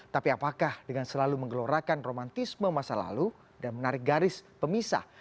tapi apakah dengan selalu menggelorakan romantisme masa lalu dan menarik garis pemisah